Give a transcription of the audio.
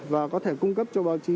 và có thể cung cấp cho báo chí